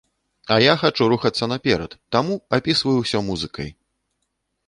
А я хачу рухацца наперад, таму апісваю ўсё музыкай!